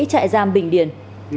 trại giam bình điền